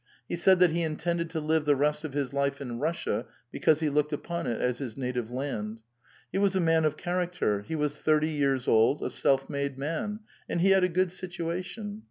He said that he intended to live the rest of his life in Kussia because he looked upon it as his native land. lie was a man of charac ter ; he was thirty years old, a self made man ; and he had a good situation.